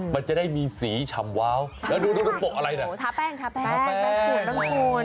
มันจะได้มีสีฉ่ำว้าวแล้วดูปกอะไรนะทะแป้งทะแป้งสวยตรงนู้น